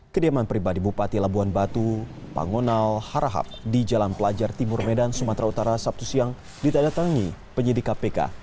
kediaman pribadi bupati labuan batu pangonal harahap di jalan pelajar timur medan sumatera utara sabtu siang ditandatangi penyidik kpk